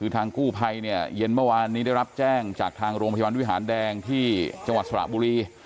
ทางกู้ไพรเย็นเมื่อวานได้รับแจ้งจากทางโรงพยาบาลวิหารแดงที่สระบุรี